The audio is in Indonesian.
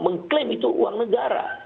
mengklaim itu uang negara